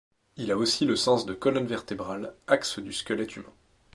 Il a aussi le sens de colonne vertébrale, axe du squelette humain.